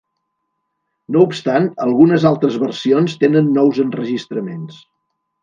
No obstant, algunes altres versions tenen nous enregistraments.